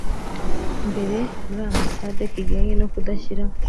mbere muri ambasade kijyanye no kudashyira